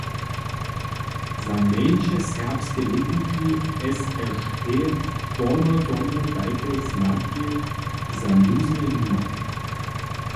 Za mjeńše šulske lětniki SŠT porno tomu tajke znamki za nuzne nima.